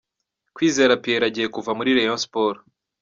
Kwizera Pierrot agiye kuva muri Rayon Sports.